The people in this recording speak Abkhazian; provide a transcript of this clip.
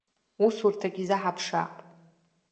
Усурҭак изаҳаԥшаап.